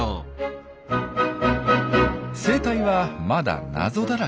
生態はまだ謎だらけ。